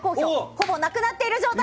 ほぼなくなっている状態。